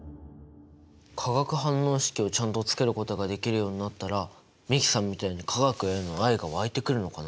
化学反応式をちゃんと作ることができるようになったら美樹さんみたいに化学への愛が湧いてくるのかな？